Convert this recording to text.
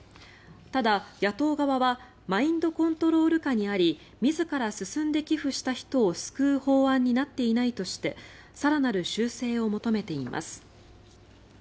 ただ、野党側はマインドコントロール下にあり自ら進んで寄付した人を救う法案になっていないとして更なる修正を求めています。